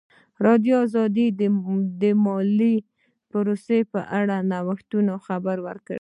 ازادي راډیو د مالي پالیسي په اړه د نوښتونو خبر ورکړی.